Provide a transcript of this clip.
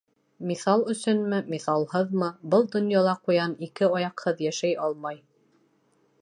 Миҫал өсөнмө, миҫалһыҙмы, был донъяла ҡуян ике аяҡһыҙ йәшәй алмай!